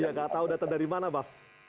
nggak tahu data dari mana bas